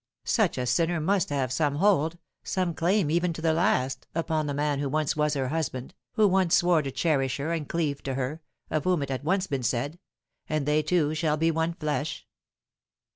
Such a sinner must have some hold, some claim even to the last, upon the man who once was her husband, who once swore to cherish her and cleave to her, of whom it had once been said, " And they two shall be one flesh."